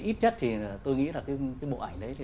ít nhất thì tôi nghĩ là cái bộ ảnh đấy